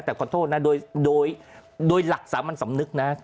แต่ขอโทษนะโดยหลักสามัญสำนึกนะ